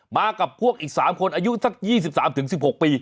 มากับพวกอีก๓คนอายุสัก๒๓๑๖ปี